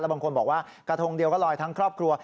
บางคนบอกว่ากระทงเดียวก็ลอยทั้งครอบครัว